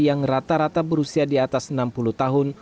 yang rata rata berusia di atas enam puluh tahun